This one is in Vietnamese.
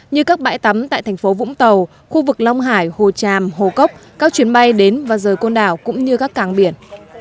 như các bãi tắm tại thành phố vũng tàu khu vực long hải hồ tràm hồ cốc các chuyến bay đến và rời côn đảo cũng như các càng biển